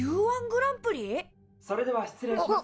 ・それでは失礼します。